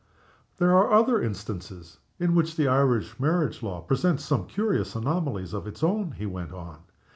"There are other instances in which the Irish marriage law presents some curious anomalies of its own," he went on.